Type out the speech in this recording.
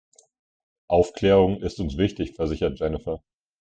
Aufklärung ist uns wichtig, versichert Jennifer.